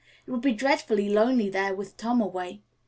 It will be dreadfully lonely there with Tom away.